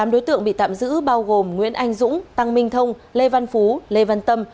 tám đối tượng bị tạm giữ bao gồm nguyễn anh dũng tăng minh thông lê văn phú lê văn tâm